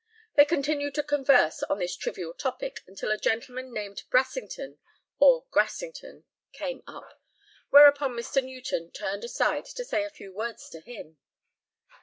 They continued to converse on this trivial topic until a gentleman named Brassington (or Grassington) came up, whereupon Mr. Newton turned aside to say a few words to him.